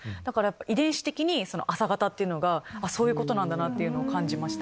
遺伝子的に朝型っていうのがそういうことなんだと感じました。